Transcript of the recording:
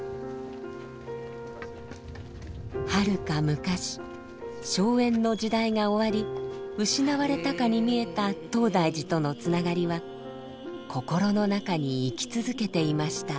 はるか昔荘園の時代が終わり失われたかに見えた東大寺とのつながりは心の中に生き続けていました。